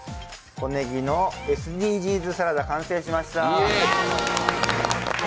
小ねぎのＳＤＧｓサラダ、完成しました。